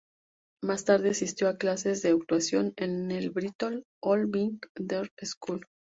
Más tarde asistió a clases de actuación en el Bristol Old Vic Theatre School.